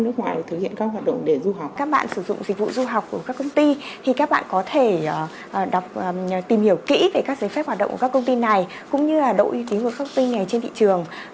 cũng như là đội ý tính của các công ty này trên thị trường